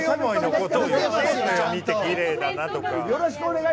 きれいだなとか。